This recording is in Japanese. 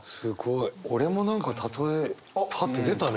俺も何かたとえパッと出たね